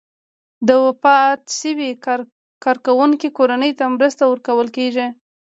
د وفات شوي کارکوونکي کورنۍ ته مرسته ورکول کیږي.